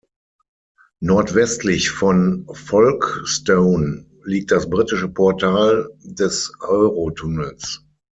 Nordwestlich von Folkestone liegt das britische Portal des Eurotunnels.